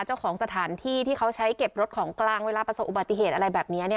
เจ้าของสถานที่ที่เขาใช้เก็บรถของกลางเวลาประสบอุบัติเหตุอะไรแบบนี้